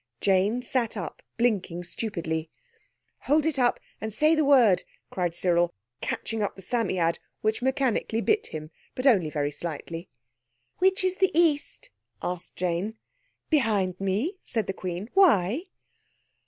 Jane sat up, blinking stupidly. "Hold It up, and say the word," cried Cyril, catching up the Psammead, which mechanically bit him, but only very slightly. "Which is the East?" asked Jane. "Behind me," said the Queen. "Why?"